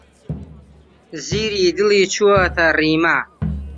زیری دڵی چووەتە ڕیما.